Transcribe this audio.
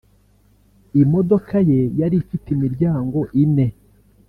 Imodoka ye yari ifite imiryango ine